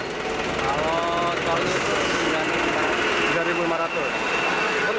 kalau tol ini tiga lima ratus